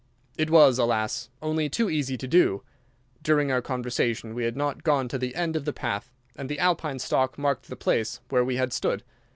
It was, alas, only too easy to do. During our conversation we had not gone to the end of the path, and the Alpine stock marked the place where we had stood.